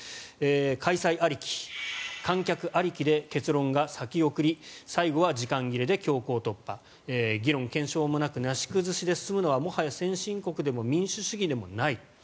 開催ありき観客ありきで結論は先送り最後は時間切れで強行突破議論、検証もなくなし崩しで進むのはもはや先進国でも民主主義でもないと。